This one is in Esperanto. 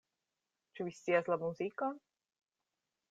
Ĉu vi scias la muzikon?